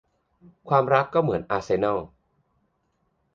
ความรักก็เหมือนอาร์เซนอล